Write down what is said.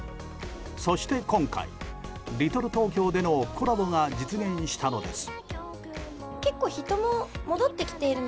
そして今回リトルトーキョーでのコラボが実現したのです。